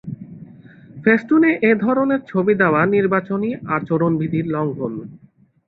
ফেস্টুনে এ ধরনের ছবি দেওয়া নির্বাচনী আচরণবিধির লঙ্ঘন।